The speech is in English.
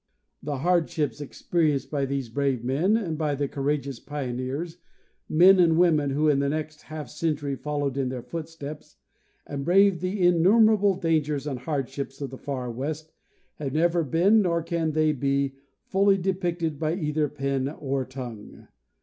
The hardships experienced by these brave men and by the courageous pioneers, men and women who in the next half cen 248 John H. Mitchell— Oregon tury followed in their footsteps and braved the innumerable dangers and hardships of the far west, have never been, nor can they be, fully depicted by either pen or tongue.